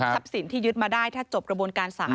สินที่ยึดมาได้ถ้าจบกระบวนการศาล